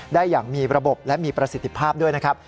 ได้อย่างมีระบบและมีประสิทธิภาพด้วยนะครับ